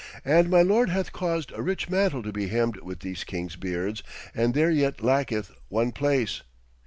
And my lord hath caused a rich mantle to be hemmed with these kings' beards, and there yet lacketh one place.